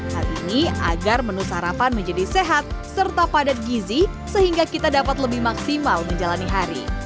hal ini agar menu sarapan menjadi sehat serta padat gizi sehingga kita dapat lebih maksimal menjalani hari